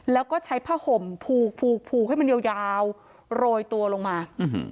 แล้วก็ใช้ผ้าห่มผูกผูกให้มันยาวโรยตัวลงมา